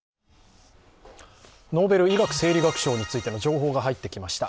ノーベル医学生理学賞についての情報が入ってきました。